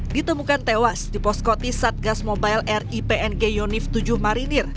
ditemukan tewas di poskoti satgas mobile ripng yonif tujuh marinir